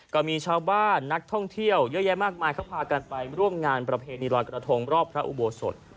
ก็มีชาวบ้านนักท่องเที่ยวเยอะแยะมากมายเขาพากันไปร่วมงานประเพณีลอยกระทงรอบพระอุโบสถ